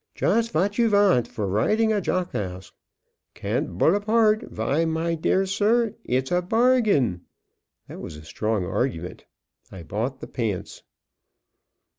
"Just vot you vant vor riding a jockoss; can't bull abart; vy, my dear sir, it's a bargain." That was a strong argument; I bought the "pants."